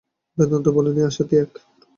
বেদান্ত বলেন, এই আশা ত্যাগ কর।